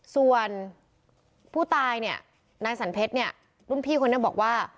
ส่วนผู้ตายเนี่ยนายสันเพชรเนี่ยรุ่นพี่คนนี้บอกว่า